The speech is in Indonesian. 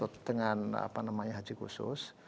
untuk dengan apa namanya haji khusus